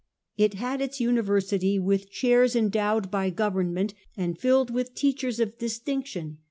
It had its University, with chairs endowed by government, and filled with teachers of distinction.